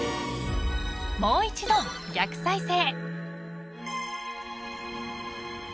［もう一度逆再生］